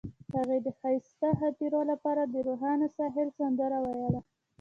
هغې د ښایسته خاطرو لپاره د روښانه ساحل سندره ویله.